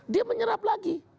dia menyerap lagi